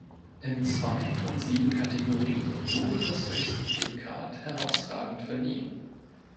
In zwei von sieben Kategorien wurde das höchste Prädikat „herausragend“ verliehen.